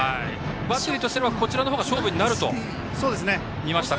バッテリーとしてはこの方が勝負になると見ましたか。